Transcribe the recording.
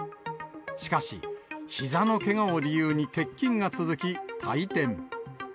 しかし、ひざのけがを理由に欠勤が続き退店。